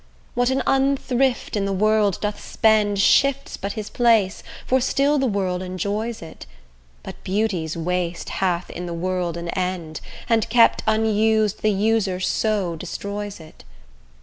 what an unthrift in the world doth spend Shifts but his place, for still the world enjoys it; But beauty's waste hath in the world an end, And kept unused the user so destroys it.